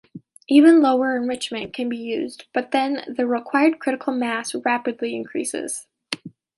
Even lower enrichment can be used, but then the required critical mass rapidly increases.